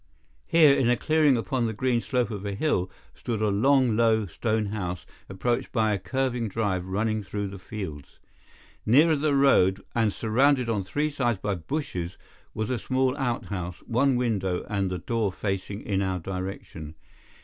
Here, in a clearing upon the green slope of a hill, stood a long, low, stone house, approached by a curving drive running through the fields. Nearer the road, and surrounded on three sides by bushes, was a small outhouse, one window and the door facing in our direction.